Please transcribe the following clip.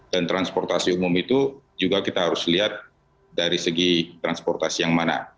dan transportasi umum itu juga kita harus lihat dari segi transportasi yang mana